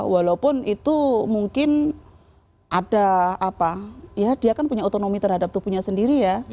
walaupun itu mungkin ada apa ya dia kan punya otonomi terhadap tubuhnya sendiri ya